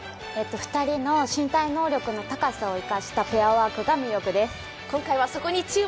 ２人の身体能力の高さを生かしたペアワークが魅力です。